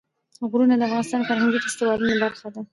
غرونه د افغانستان د فرهنګي فستیوالونو برخه ده.